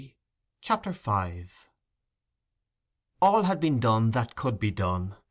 CHAPTER V All had been done that could be done.